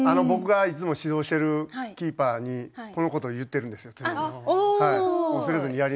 僕がいつも指導してるキーパーにこのことを言っているんですよ常に。